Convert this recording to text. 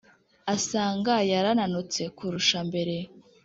asanga yarananutse kurusha mbere;